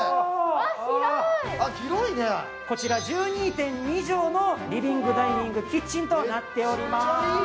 こちら１２．２畳のリビングダイニングキッチンとなっております。